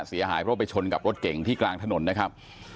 เสียหายเพราะว่าไปชนกับรถเก่งที่กลางถนนนะครับ